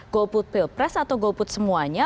go put pilpres atau go put semuanya